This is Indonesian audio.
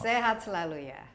sehat selalu ya